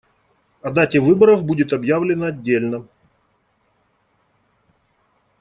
О дате выборов будет объявлено отдельно.